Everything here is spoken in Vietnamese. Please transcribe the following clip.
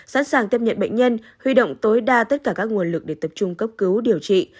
sẵn sàng tiếp nhận bệnh nhân huy động tối đa tất cả các nguồn lực để tập trung cấp cứu điều trị